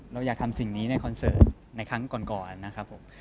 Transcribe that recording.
เราอยากทำสิ่งนี้ในคอนเสิร์ตในครั้งก่อนนะครับผม